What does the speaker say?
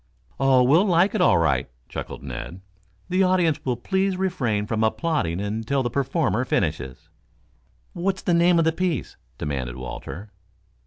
"Oh, we'll like it all right," chuckled Ned. "The audience will please refrain from applauding until the performer finishes." "What's the name of the piece?" demanded Walter.